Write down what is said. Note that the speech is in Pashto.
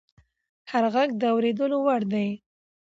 هر غږ د اورېدو وړ دی